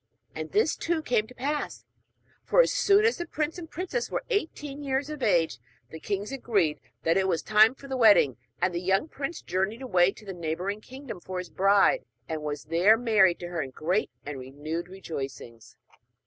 And this too came to pass; for, as soon as the prince and princess were eighteen years of age, the kings agreed that it was time for the wedding; and the young prince journeyed away to the neighbouring kingdom for his bride, and was there married to her with great and renewed rejoicings.